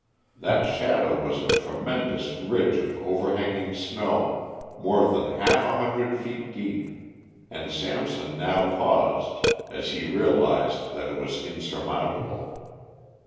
That shadow was a tremendous ridge of overhanging snow more than a hundred feet deep; and Samson now paused as he realised that it was insurmountable.